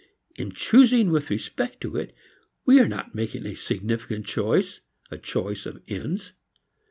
In choosing with respect to it, we are not making a significant choice, a choice of ends.